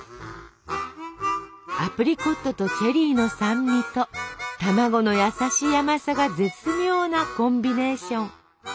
アプリコットとチェリーの酸味と卵の優しい甘さが絶妙なコンビネーション。